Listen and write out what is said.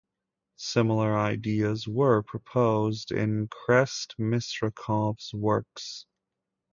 Similar ideas were proposed in Krste Misirkov's works.